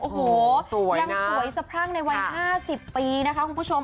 โอ้โหยังสวยสะพรั่งในวัย๕๐ปีนะคะคุณผู้ชม